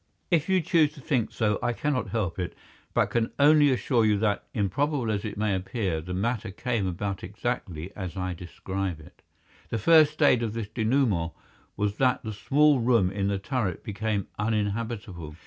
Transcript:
If you choose to think so I cannot help it, but can only assure you that, improbable as it may appear, the matter came about exactly as I describe it. The first stage in this denouement was that the small room in the turret became uninhabitable.